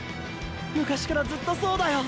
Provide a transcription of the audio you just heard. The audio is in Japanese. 昔からずっとそうだよ。